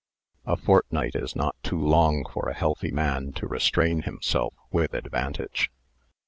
A fortnight is not too long for a healthy man to restrain himself with advantage.